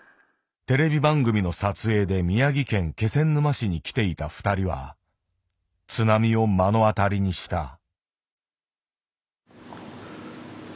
テレビ番組の撮影で宮城県気仙沼市に来ていたふたりは津波を目の当たりにした。